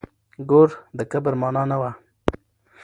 ګور د کبر مانا نه وه.